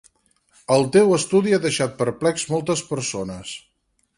El teu estudi ha deixat perplex moltes persones.